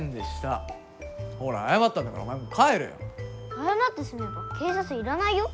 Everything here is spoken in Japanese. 謝って済めば警察要らないよ？